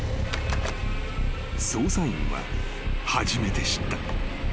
［捜査員は初めて知った］